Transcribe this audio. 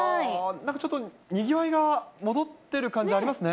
なんかちょっとにぎわいが戻ってる感じ、ありますね。